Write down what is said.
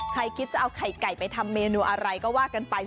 คิดจะเอาไข่ไก่ไปทำเมนูอะไรก็ว่ากันไป